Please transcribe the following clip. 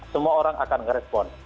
semua orang akan ngerespon